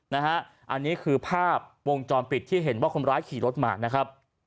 นะฮะอันนี้คือภาพวงจรปิดที่เห็นว่าคนร้ายขี่รถมานะครับ